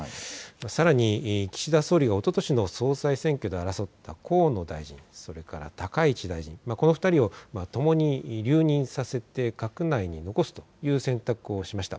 さらに岸田総理がおととしの総裁選挙で争った河野大臣、それから高市大臣、この２人をともに留任させて閣内に残すという選択をしました。